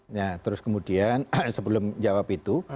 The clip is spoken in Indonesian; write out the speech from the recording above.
nah terus kemudian sebelum jawab itu